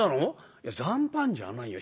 「いや残飯じゃないよ。